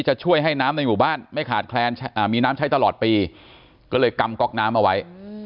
จะช่วยให้น้ำในหมู่บ้านไม่ขาดแคลนมีน้ำใช้ตลอดปีก็เลยกำก๊อกน้ำเอาไว้